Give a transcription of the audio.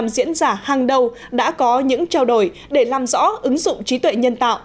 một mươi diễn giả hàng đầu đã có những trao đổi để làm rõ ứng dụng trí tuệ nhân tạo